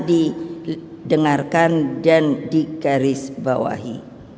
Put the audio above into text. didengarkan dan di garis bawahi